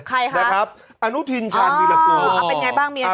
ใครครับออออออออออเป็นยังไงบ้างเมีย